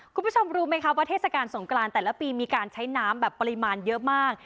คุณผู้ชมรู้ไหมคะว่าเทศกาลสงกรานแต่ละปีมีการใช้น้ำแบบปริมาณเยอะมาก